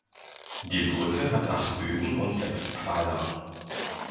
Die Brücke hat acht Bögen und sechs Pfeiler.